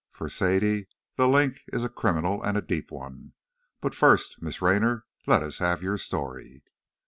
For Sadie, 'The Link,' is a criminal and a deep one! But first, Miss Raynor, let us have your story."